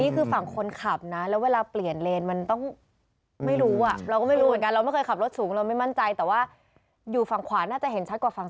นี่คือฝั่งคนขับนะแล้วเวลาเปลี่ยนเลนมันต้อง